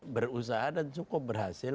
berusaha dan cukup berhasil